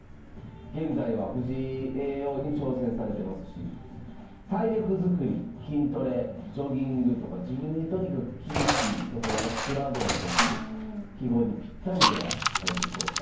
現在は藤井叡王に挑戦されてますし体力づくり筋トレジョギングとか自分にとにかく厳しいところが修羅道という揮毫にぴったりではないでしょうか。